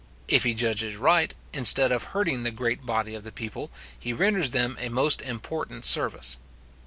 If he judges right, instead of hurting the great body of the people, he renders them a most important service.